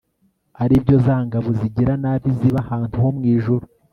ari byo za ngabo zigira nabi ziba ahantu ho mu ijuru